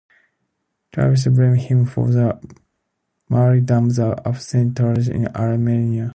Hagiographic tradition blames him for the martyrdom of the Apostle Saint Thaddeus in Armenia.